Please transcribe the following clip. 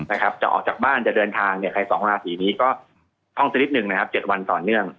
นะครับจะออกจากบ้านจะเดินทางเนี่ยใครสองราศีนี้ก็ท่องสักนิดนึงนะครับ๗วันต่อเนื่อง